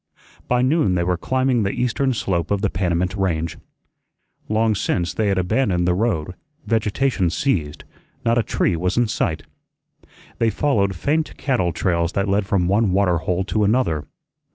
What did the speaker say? By noon they were climbing the eastern slope of the Panamint Range. Long since they had abandoned the road; vegetation ceased; not a tree was in sight. They followed faint cattle trails that led from one water hole to another.